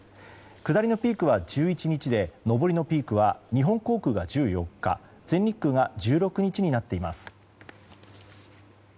下りのピークは１１日で上りのピークは日本航空が１４日全日空が１６日になっています。